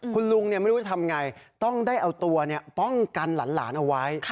คุณลุงไม่รู้จะทำไงต้องได้เอาตัวป้องกันหลานเอาไว้